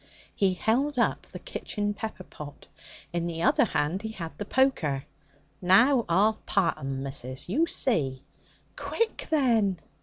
He held up the kitchen pepper pot. In the other hand he had the poker. 'Now I'll part 'em, missus, you see!' 'Quick, then!'